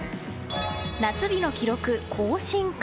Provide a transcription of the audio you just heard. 夏日の記録更新か。